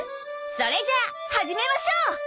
それじゃあ始めましょう！